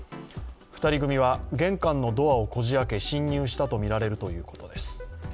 ２人組は、玄関のドアをこじ開け侵入したとみられるということです。